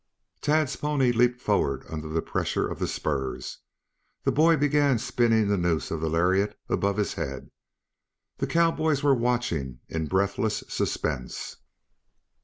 Tad's pony leaped forward under the pressure of the spurs. The boy began spinning the noose of the lariat above his head. The cowboys were watching in breathless suspense.